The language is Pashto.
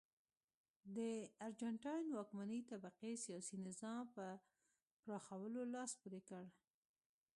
د ارجنټاین واکمنې طبقې سیاسي نظام په پراخولو لاس پورې کړ.